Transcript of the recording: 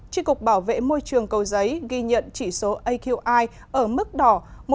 tri cục bảo vệ môi trường cầu giấy ghi nhận chỉ số aqi ở mức đỏ một trăm năm mươi ba một trăm sáu mươi một